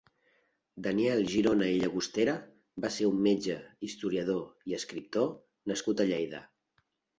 Daniel Girona i Llagostera va ser un metge, historiador i escriptor nascut a Lleida.